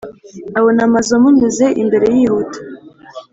abona amazu amunyuze imbere yihuta;